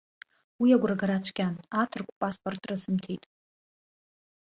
Уи агәрагара цәгьан, аҭырқә паспорт рысымҭеит.